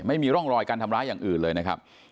ไม่มีร่องรอยการทำร้ายอย่างอื่นเลยนะครับ